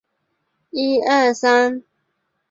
议决方式